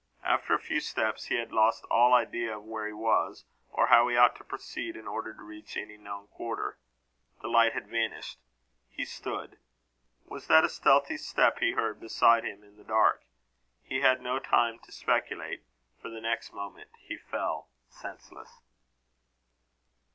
After a few steps, he had lost all idea of where he was, or how he ought to proceed in order to reach any known quarter. The light had vanished. He stood. Was that a stealthy step he heard beside him in the dark? He had no time to speculate, for the next moment he fell senseless.